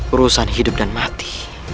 urusan hidup dan mati